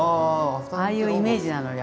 ああいうイメージなのよ